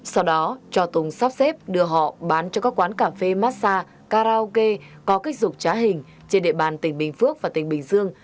sau đó cho tùng sắp xếp đưa họ bán cho các quán cà phê massa karaoke có kích dục trá hình trên địa bàn tỉnh bình phước và tỉnh bình dương